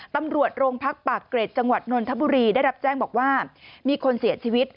ตำรวจโรงพักปากเกร็ดจังหวัดนนทบุรีได้รับแจ้งบอกว่ามีคนเสียชีวิต